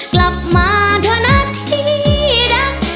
กลับมาเธอหน้าที่ดัก